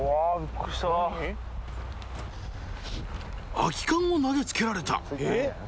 空き缶を投げつけられた。